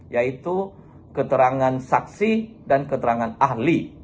yaitu keterangan saksi dan keterangan ahli